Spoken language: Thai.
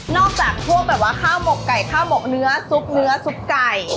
จากพวกแบบว่าข้าวหมกไก่ข้าวหมกเนื้อซุปเนื้อซุปไก่